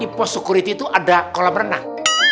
di pos suku riti itu ada kolam renang